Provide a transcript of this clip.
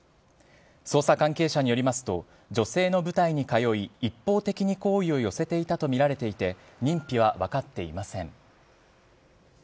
捜査関係者によりますと、女性の舞台に通い、一方的に好意を寄せていたと見られていて、認否は分かっていません。